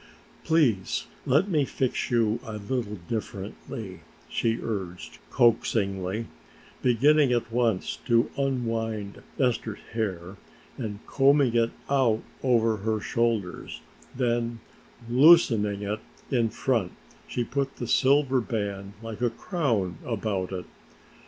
"Please let me fix you a little differently," she urged coaxingly, beginning at once to unwind Esther's hair and combing it out over her shoulders; then loosening it in front she put the silver band like a crown about it.